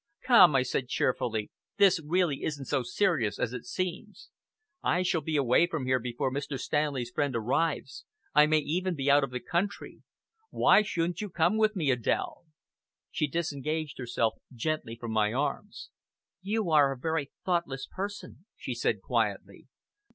"Come," I said cheerfully, "this really isn't so serious as it seems. I shall be away from here before Mr. Stanley's friend arrives, I may even be out of the country. Why shouldn't you come with me, Adèle?" She disengaged herself gently from my arms. "You are a very thoughtless person," she said quietly.